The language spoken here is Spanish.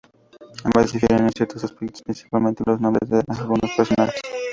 Ambas difieren en ciertos aspectos, principalmente en los nombres de algunos personajes.